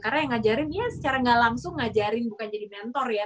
karena yang ngajarin dia secara gak langsung ngajarin bukan jadi mentor ya